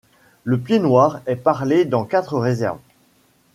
Le pied-noir est parlé dans quatre réserves.